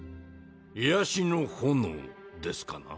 癒しの炎ですかな？